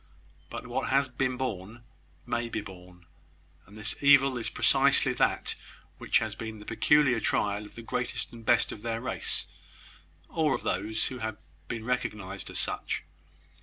But what has been borne may be borne; and this evil is precisely that which has been the peculiar trial of the greatest and best of their race or of those who have been recognised as such.